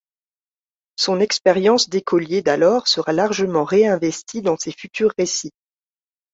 Son expérience d'écolier d'alors sera largement réinvestie dans ses futurs récits.